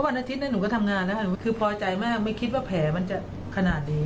วันอาทิตย์หนูก็ทำงานนะหนูคือพอใจมากไม่คิดว่าแผลมันจะขนาดนี้